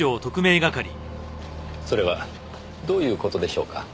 それはどういう事でしょうか？